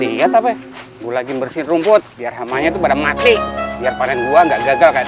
lihat apa gue lagi bersih rumput biar hamanya tuh pada mati biar panen gua nggak gagal kayak